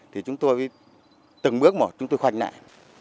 thì chúng tôi từng bước mà chúng tôi khoanh lại